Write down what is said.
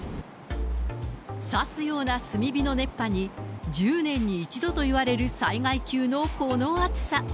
刺すような炭火の熱波に、１０年に一度といわれる災害級のこの暑さ。